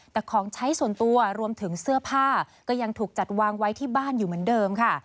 แต่ของใช้ส่วนตัวรวมถึงเสื้อผ้าก็ยังถูกจัดวางไว้ที่บ้านอยู่เหมือนเดิมค่ะ